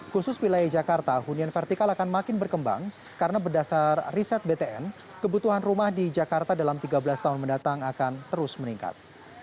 khusus wilayah jakarta hunian vertikal akan makin berkembang karena berdasar riset btn kebutuhan rumah di jakarta dalam tiga belas tahun mendatang akan terus meningkat